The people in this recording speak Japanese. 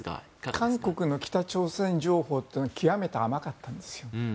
韓国の北朝鮮情報というのは極めて甘かったんです。